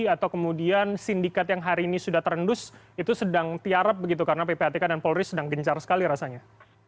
atau kemudian sindikat yang hari ini sudah terendus itu sedang tiarap begitu karena ppatk dan polri sedang gencar sekali rasanya